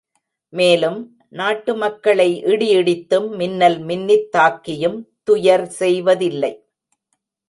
மேலும், நாட்டு மக்களை இடி இடித்தும், மின்னல் மின்னித் தாக்கியும் துயர் செய்வதில்லை.